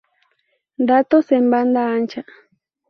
Datos en banda ancha.